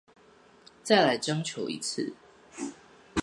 再來徵求一次